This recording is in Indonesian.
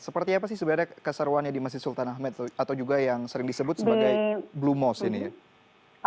seperti apa sih sebenarnya keseruannya di masjid sultan ahmed atau juga yang sering disebut sebagai blue most ini ya